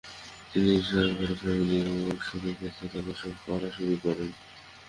তিনি Sagrada familiar ওয়র্কশপের ভেতরে বাস করা শুরু করেন।